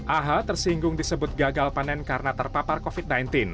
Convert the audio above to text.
aha tersinggung disebut gagal panen karena terpapar covid sembilan belas